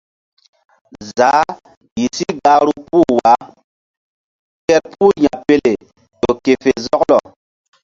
Zaah yih si gahru puh wah kerpuh Yapele ƴo ke fe zɔklɔ.